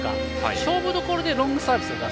勝負どころでロングサービスを出す。